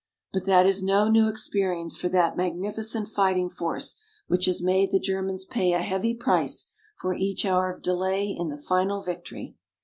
But that is no new experience for that magnificent fighting force which has made the Germans pay a heavy price for each hour of delay in the final victory.